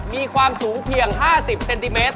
มีความสูงเพียง๕๐เซนติเมตร